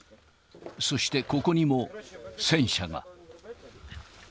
そしてここにも戦車が。